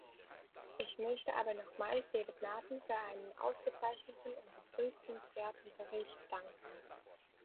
Ich möchte aber nochmals David Martin für einen ausgezeichneten und begrüßenswerten Bericht danken.